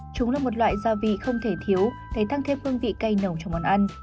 chúng là một loại gia vị không thể thiếu để tăng thêm hương vị cay nồng trong món ăn